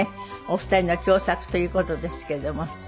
お二人の共作という事ですけれども。